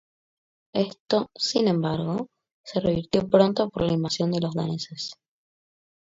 Esto, sin embargo, se revirtió pronto por la invasión de los daneses.